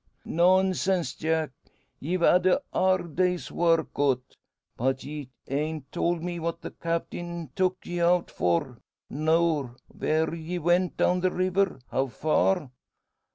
"Nonsense, Jack. Ye've had a hard day's work o't. But ye hain't told me what the Captain tooked ye out for, nor where ye went down the river. How far?"